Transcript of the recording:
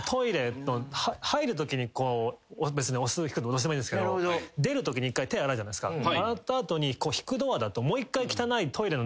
入るときに別に押す引くどっちでもいいんですけど出るときに１回手洗うじゃないですか。